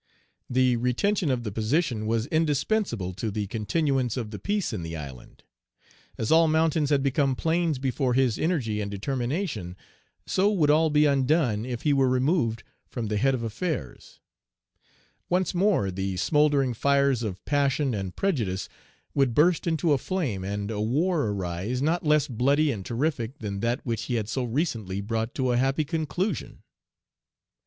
The retention of the position was indispensable to the continuance of the peace in the island. As all mountains had become plains before his energy and determination, so would all be undone if he were removed from the head of affairs; once more the smouldering fires of passion and prejudice would burst into a flame, and a war arise not less bloody and terrific than that which he had so recently brought to a happy conclusion.